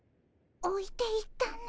おいていったね。